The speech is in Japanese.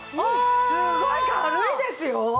すごい軽いですよ！